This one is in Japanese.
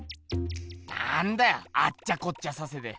なんだよあっちゃこっちゃさせて。